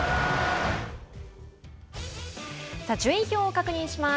順位表を確認します。